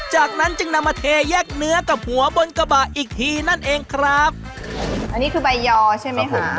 จากนั้นจึงนำมาเทแยกเนื้อกับหัวบนกระบะอีกทีนั่นเองครับอันนี้คือใบยอใช่ไหมคะ